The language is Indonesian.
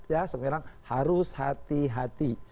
ya sebenarnya harus hati hati